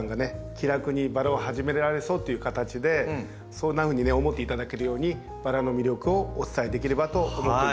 気楽にバラを始められそうという形でそんなふうに思っていただけるようにバラの魅力をお伝えできればと思っています。